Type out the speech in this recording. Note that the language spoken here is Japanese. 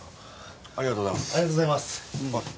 ありがとうございます。